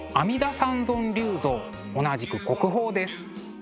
同じく国宝です。